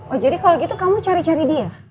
oh jadi kalau gitu kamu cari cari dia